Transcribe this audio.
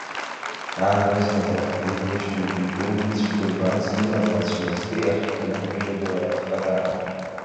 Ан рыцҳа дарҳәҳәеит лыҷкәын Ҷуҷул ицә кәырбанс имаз ацәмызкы иахҟьаны машәырла аҭахара.